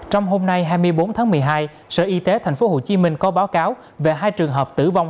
trong hôm nay hai mươi bốn tháng một mươi hai sở y tế thành phố hồ chí minh có báo cáo về hai trường hợp tử vong